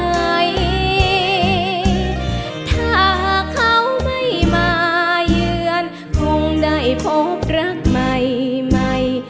ถ้าเขาไม่มาเยือนคงได้พบรักใหม่ใหม่